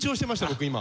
僕今。